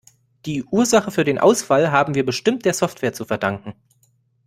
Die Ursache für den Ausfall haben wir bestimmt der Software zu verdanken.